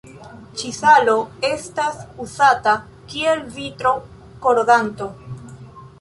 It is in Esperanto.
Ĉi-salo estas uzata kiel vitro-korodanto.